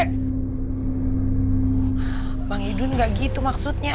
juga kami semua kemarin dalam rangka mencari bukti kalau memang tuju ajaéc